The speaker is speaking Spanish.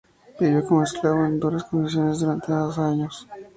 Vivió como esclavo, en duras condiciones, durante dos años.